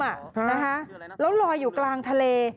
แล้วลอยอยู่กลางทะเล